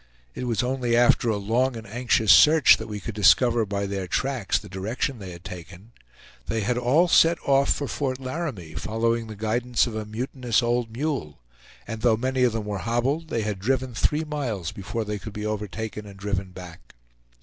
It was only after a long and anxious search that we could discover by their tracks the direction they had taken. They had all set off for Fort Laramie, following the guidance of a mutinous old mule, and though many of them were hobbled they had driven three miles before they could be overtaken and driven back.